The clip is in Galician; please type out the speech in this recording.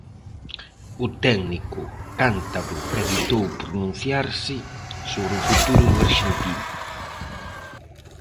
O técnico cántabro evitou pronunciarse sobre o futuro do arxentino.